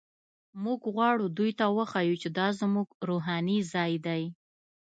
موږ غواړو دوی ته وښیو چې دا زموږ روحاني ځای دی.